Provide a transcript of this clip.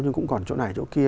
nhưng cũng còn chỗ này chỗ kia